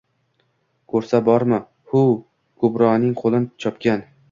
Koʼrsa bormi, huuuv Kubroning qoʼlin chopgan